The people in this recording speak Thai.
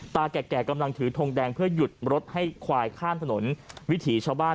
แก่แก่กำลังถือทงแดงเพื่อหยุดรถให้ควายข้ามถนนวิถีชาวบ้าน